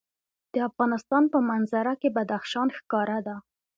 د افغانستان په منظره کې بدخشان ښکاره ده.